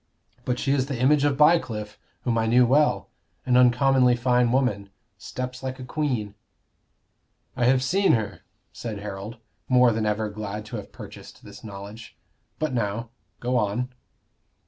But she is the image of Bycliffe, whom I knew well an uncommonly fine woman steps like a queen." "I have seen her," said Harold, more than ever glad to have purchased this knowledge. "But now, go on."